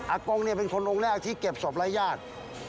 กงเนี่ยเป็นคนองค์แรกที่เก็บศพรายญาติ